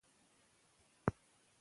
د لیکوالو لمانځنه زموږ کلتوري دنده ده.